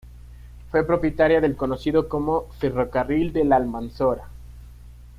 Fue propietaria del conocido como "Ferrocarril del Almanzora".